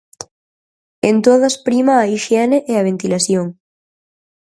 En todas prima a hixiene e a ventilación.